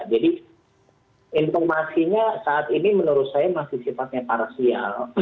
jadi informasinya saat ini menurut saya masih sifatnya parasial